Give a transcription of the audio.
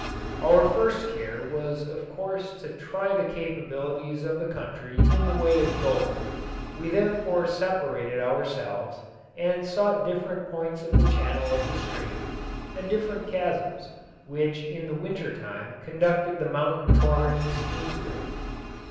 Our first care was of course to try the capabilities of the country in the way of gold. We therefore separated ourselves, and sought different points of the channel of the stream, and different chasms, which in the winter time conducted the mountain torrents into it.